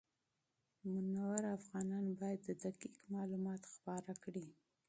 منور افغانان باید دقیق معلومات خپاره کړي.